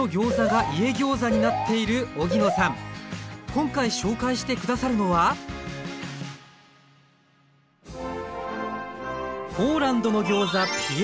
今回紹介して下さるのはポーランドのギョーザピエロギ。